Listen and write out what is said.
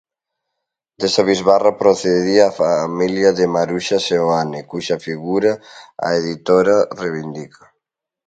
Desa bisbarra procedía a familia de Maruxa Seoane, cuxa figura a editora reivindica.